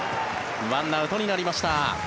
１アウトになりました。